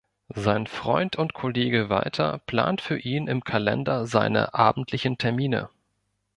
Sein Freund und Kollege Walter plant für ihn im Kalender seine abendlichen Termine.